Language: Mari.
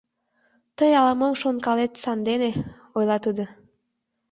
— Тый ала-мом шонкалет, сандене, — ойла тудо.